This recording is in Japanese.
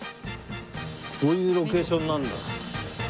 こういうロケーションなんだ。